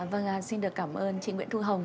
vâng xin được cảm ơn chị nguyễn thu hồng